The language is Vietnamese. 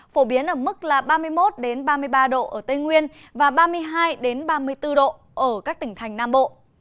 phổ biến ở mức ba mươi một ba mươi ba độ ở tây nguyên và ba mươi hai ba mươi bốn độ ở các tỉnh thành nam bộ